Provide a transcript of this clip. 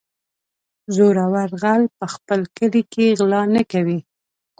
- زورور غل په خپل کلي کې غلا نه کوي.